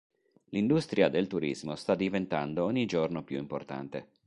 L'industria del turismo sta diventando ogni giorno più importante.